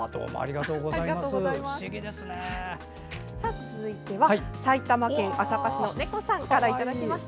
続いて、埼玉県朝霞市のネコさんからいただきました。